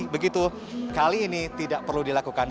begitu kali ini tidak perlu dilakukan